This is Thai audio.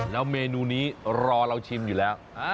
แล้วเมนูนี้รอเราชิมอยู่แล้ว